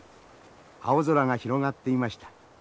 青空が広がっていました。